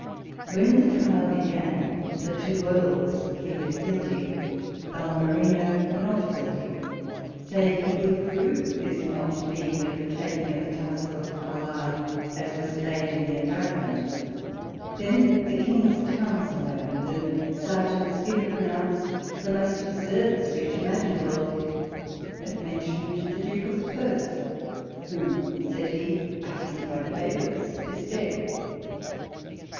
When the trial began, the two Earls pleaded guilty ; Balmerino not guilty, saying he could prove his not being at the taking of the castle of Carlisle, as was laid in the indictment. Then the King's counsel opened, and Serjeant Skin ner pronounced the most absurd speech imagin able ; and mentioned the Duke of Perth, " who," said he, " I see by the papers is dead."